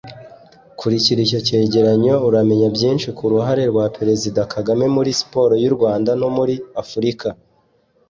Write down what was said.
Kurikira icyo cyegeranyo uramenya byinshi ku ruhare rwa Perezida Kagame muri siporo y’u Rwanda no muri Afurika